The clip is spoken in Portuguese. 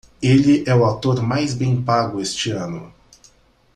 Ele é o ator mais bem pago este ano.